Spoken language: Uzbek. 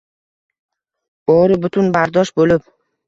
Bori butun bardosh bo’lib